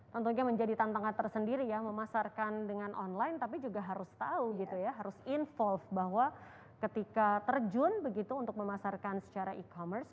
tentunya menjadi tantangan tersendiri ya memasarkan dengan online tapi juga harus tahu gitu ya harus involve bahwa ketika terjun begitu untuk memasarkan secara e commerce